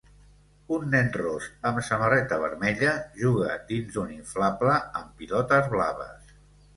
Un nen ros amb samarreta vermella juga dins d'un inflable amb pilotes blaves.